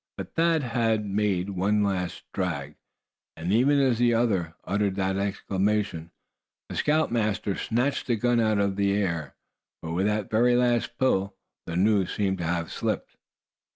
But Thad had made one last drag, and even as the other uttered that exclamation the scoutmaster snatched the gun out of the air; for with that very last pull, the noose seemed to have slipped.